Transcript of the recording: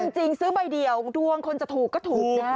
จริงซื้อใบเดียวดวงคนจะถูกก็ถูกนะ